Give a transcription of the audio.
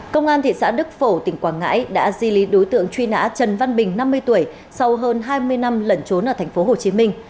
công an thị xã đức phổ tỉnh quảng ngãi đã di lý đối tượng truy nã trần văn bình năm mươi tuổi sau hơn hai mươi năm lẩn trốn ở thành phố hồ chí minh